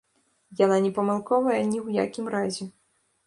Яна не памылковая ні ў якім разе.